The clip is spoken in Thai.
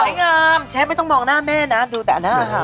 ความสวยงามเชฟไม่ต้องมองหน้าแม่นะดูแต่หน้าค่ะ